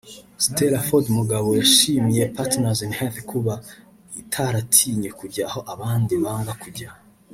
Stella Ford Mugabo yashimiye Partners in Health kuba itaratinye kujya aho abandi banga kujya